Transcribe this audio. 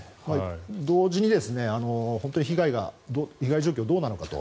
同時に被害状況はどうなのかと。